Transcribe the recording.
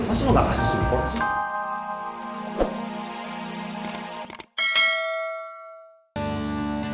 masa lu gak kasih support sih